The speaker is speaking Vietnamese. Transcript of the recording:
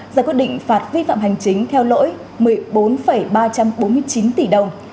ra quyết định phạt vi phạm hành chính theo lỗi một mươi bốn ba trăm bốn mươi chín tỷ đồng